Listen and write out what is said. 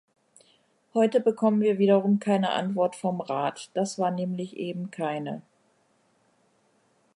Heute bekommen wir wiederum keine Antwort vom Rat das war nämlich eben keine!